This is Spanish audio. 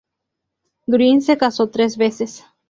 Green se casó tres veces.